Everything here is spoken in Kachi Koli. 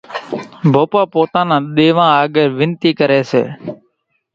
ڀوپو پوتا نان ۮيوان آڳر وينتي ڪري سي